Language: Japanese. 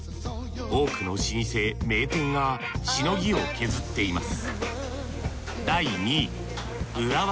多くの老舗名店がしのぎを削っています